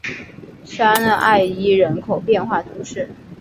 沙瑟讷伊人口变化图示